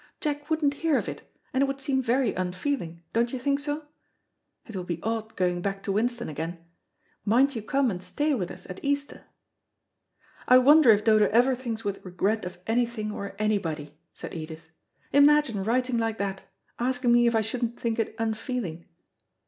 "Jack wouldn't hear of it, and it would seem very unfeeling. Don't you think so? It will be odd going back to Winston again. Mind you come and stay with us at Easter." "I wonder if Dodo ever thinks with regret of anything or anybody," said Edith. "Imagine writing like that asking me if I shouldn't think it unfeeling."